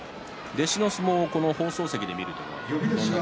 弟子の相撲を放送席で見るというのは？